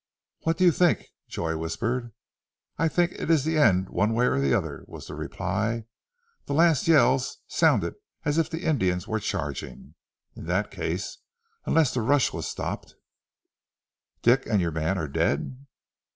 "What do you think?" Joy whispered. "I think it is the end one way or the other," was the reply. "The last yell sounded as if the Indians were charging. In that case, unless the rush was stopped " "Dick and your man are dead?"